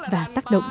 và tác động